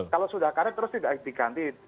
kalau sudah karet terus tidak diganti